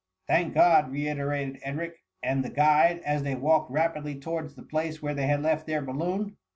"Thank God!" reiterated Edric and the guide, as they walked rapidly towards the place where they had left their, balloon.